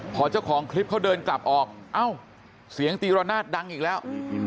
พอเจ้าของคลิปเขาเดินกลับออกเอ้าเสียงตีระนาดดังอีกแล้ว